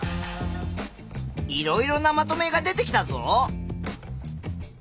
いろいろなまとめが出てきたぞ。